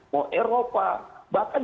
mau eropa bahkan